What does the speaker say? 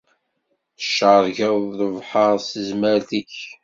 Tcerrgeḍ lebḥer s tezmert-ik.